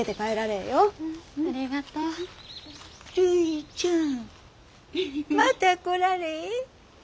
るいちゃん。また来られえ。